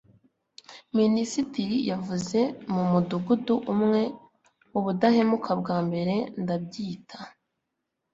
minisitiri yavuye mu mudugudu umwe. ubudahemuka bwa mbere, ndabyita